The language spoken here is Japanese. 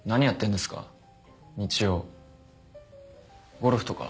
ゴルフとか？